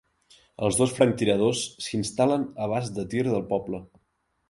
Els dos franctiradors s'instal·len a abast de tir del poble.